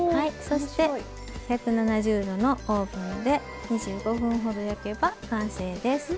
そして１７０℃のオーブンで２５分ほど焼けば完成です。